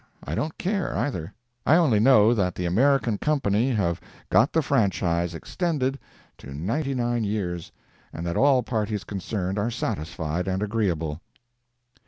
I don't care, either. I only know that the American company have got the franchise extended to ninety nine years, and that all parties concerned are satisfied and agreeable.